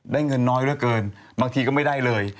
ได้เงินน้อยเหลือเกินบางทีก็ไม่ได้เลย